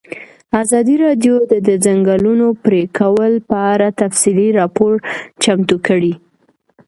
ازادي راډیو د د ځنګلونو پرېکول په اړه تفصیلي راپور چمتو کړی.